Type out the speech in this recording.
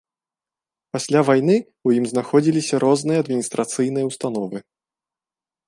Пасля вайны ў ім знаходзіліся розныя адміністрацыйныя ўстановы.